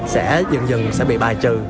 sẽ dần dần bị bài trừ